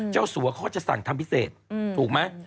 สัวเขาจะสั่งทำพิเศษถูกไหม